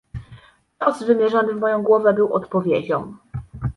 "Cios, wymierzony w moją głowę, był odpowiedzią."